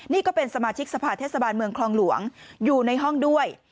นี่ก็เป็นสมาชิกสภาเทศบาลเมืองคลองหลวงอยู่ในห้องด้วย